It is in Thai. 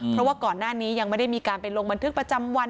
เพราะว่าก่อนหน้านี้ยังไม่ได้มีการไปลงบันทึกประจำวัน